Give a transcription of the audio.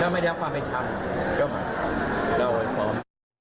ถ้าไม่ได้รับความเป็นธรรมก็มาแล้วเราก็พร้อม